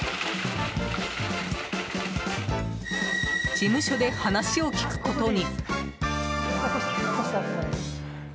事務所で話を聞くことに。